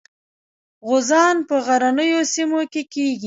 غوزان په غرنیو سیمو کې کیږي.